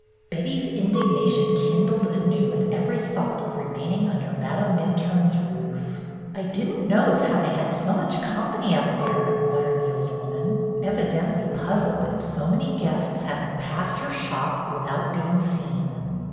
Betty's indignation kindled anew at every YOUNG MR. MINTURNE 115 thought of remaining under Madame Min turne's roof, "I did n't know as how they had so much company up there," muttered the old woman, evidently puzzled at so many guests hav ing passed her shop without being seen.